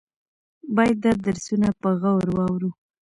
باید دا درسونه په غور واورو.